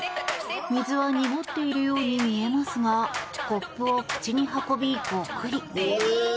水は濁っているように見えますがコップを口に運び、ゴクリ。